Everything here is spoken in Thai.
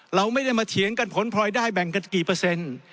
เราไม่ได้มาเถียงกันผลพลอยได้แบ่งกันกี่เปอร์เซ็นต์